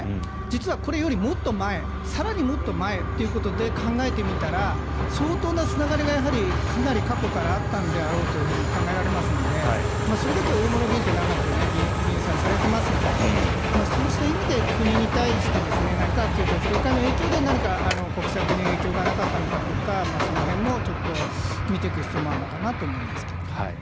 実はこれよりもっと前更にもっと前ということで考えてみたら相当なつながりがかなり過去からあったのであろうと考えられますのでそれだけ大物議員ってそれだけ長く議員さんされていますのでそうした意味で国に対して何か旧統一教会の影響で国策に影響がなかったのかとかその辺も見ていく必要もあるのかなと思いますけどね。